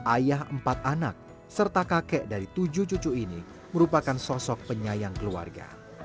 ayah empat anak serta kakek dari tujuh cucu ini merupakan sosok penyayang keluarga